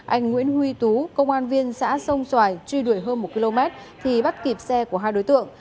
anh nguyễn huy tú công an viên xã sông xoài truy đuổi hơn một km thì bắt kịp xe của hai đối tượng